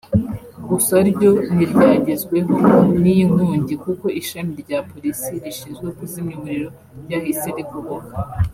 gusa ryo ntiryagezweho n’iyi nkongi kuko ishami rya polisi rishinzwe kuzimya umuriro ryahise rigoboka